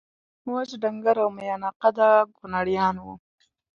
وچ ډنګر او میانه قده کونړیان وو